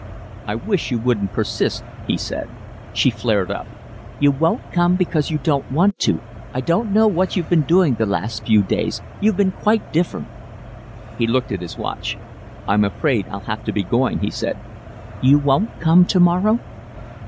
"I wish you wouldn't persist," he said. She flared up. "You won't come because you don't want to. I don't know what you've been doing the last few days, you've been quite different." He looked at his watch. "I'm afraid I'll have to be going," he said. "You won't come tomorrow?"